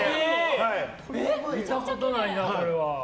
見たことないな、これは。